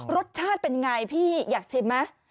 รสชาติเป็นไงพี่อยากชิมไหม